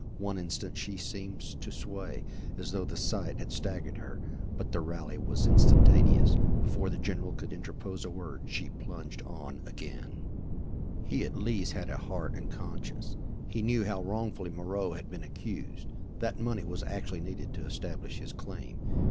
One instant she seemed to sway, as though the sight had staggered her, but the rally was as instantaneous. Before the general could interpose a word, she plunged on again: "He, at least, had a heart and conscience. He knew how wrongfully Moreau had been accused, that money was actually needed to establish his claim.